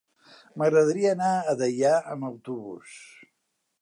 M'agradaria anar a Deià amb autobús.